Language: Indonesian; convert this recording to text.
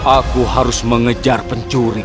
aku harus mengejar pencuri